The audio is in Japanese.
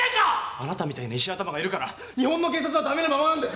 あなたみたいな石頭がいるから日本の警察はだめなままなんです。